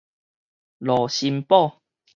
盧森堡